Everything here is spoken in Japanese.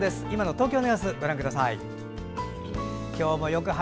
今の東京の様子ご覧ください。